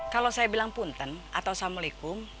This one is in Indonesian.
kalau saya bilang punten atau assalamualaikum